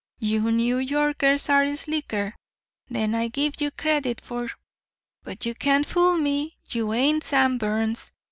You New Yorkers are slicker then I give ye credit for. But you can't fool me. You ain't Sam Burns.